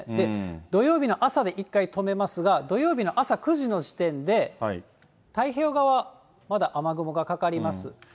土曜日の朝で一回止めますが、土曜日の朝９時の時点で、太平洋側、まだ雨雲がかかります。